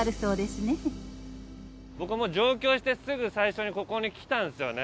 僕も上京してすぐ最初にここに来たんですよね。